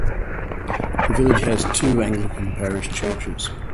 The village has two Anglican parish churches.